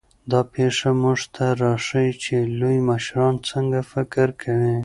دا پېښه موږ ته راښيي چې لوی مشران څنګه فکر کوي.